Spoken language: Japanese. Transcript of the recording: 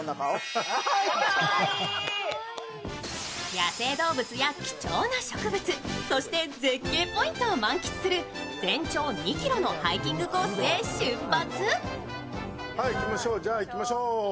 野生動物や貴重な植物、そして絶景ポイントを満喫する全長２ｋｍのハイキングコースへ出発。